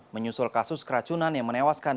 menyusul kasus keracunan yang menewaskan